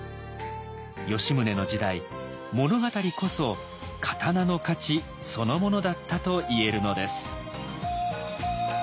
吉宗の時代物語こそ刀の価値そのものだったといえるのです。